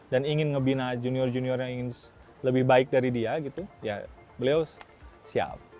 dan ingin membina junior junior yang ingin lebih baik dari dia gitu ya beliau siap